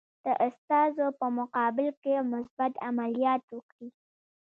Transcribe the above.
د استازو په مقابل کې مثبت عملیات وکړي.